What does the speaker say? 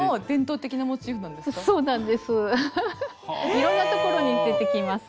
いろんなところに出てきます。